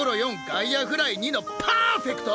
外野フライ２のパーフェクト！